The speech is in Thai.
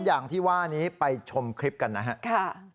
อย่างที่ว่านี้ไปชมคลิปกันนะครับ